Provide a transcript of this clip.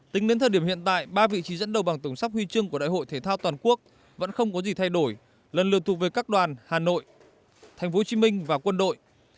tính đến thời điểm hiện tại ba vị trí dẫn đầu bằng tổng sắp huy chương của đại hội thể thao toàn quốc vẫn không có gì thay đổi lần lượt thuộc về các đoàn hà nội tp hcm và quân đội